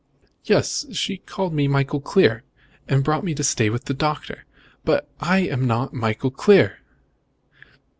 "Yes. She called me Michael Clear, and brought me to stay with the doctor. But I am not Michael Clear!"